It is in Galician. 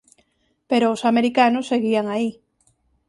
Pero os americanos seguían aí.